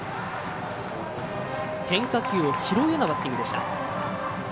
変化球を拾うようなバッティングでした。